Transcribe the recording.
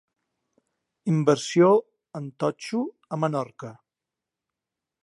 Inversió en totxo a Menorca.